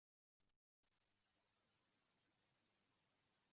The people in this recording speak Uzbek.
Tegramda birovni ko’ro bilmadim